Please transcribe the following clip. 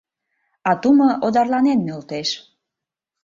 А тумо одарланен нӧлтеш.